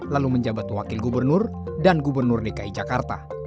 lalu menjabat wakil gubernur dan gubernur dki jakarta